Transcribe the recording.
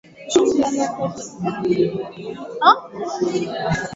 Ushirikiano kati ya Rwanda na jamuhuri ya kidemokrasia ya Kongo dhidi ya waasi